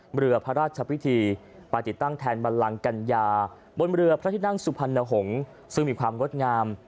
เรือพระราชพิธีปฏิตั้งแทนบันลังกัญญาบนเรือพระที่นั่งสุพรรณหงษ์ซึ่งมีความงดงาม